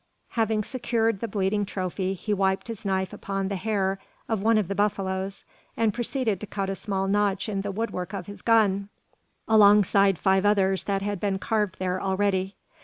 Having secured the bleeding trophy, he wiped his knife upon the hair of one of the buffaloes, and proceeded to cut a small notch in the woodwork of his gun, alongside five others that had been carved there already.